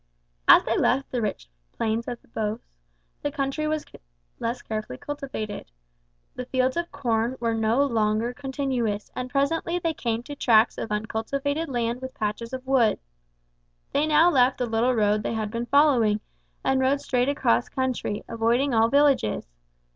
As they left the rich plains of the Beauce, the country was less carefully cultivated. The fields of corn were no longer continuous, and presently they came to tracts of uncultivated land with patches of wood. They now left the little road they had been following, and rode straight across country, avoiding all villages.